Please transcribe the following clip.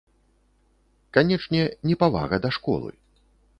Канечне, непавага да школы.